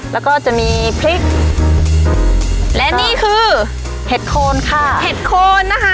แล้วก็จะมีพริกและนี่คือเห็ดโคนค่ะเห็ดโคนนะคะ